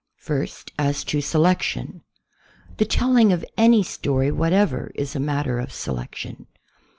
First, as to selection. The telling of any story what ever is a matter of selection.